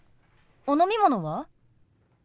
お飲み物は？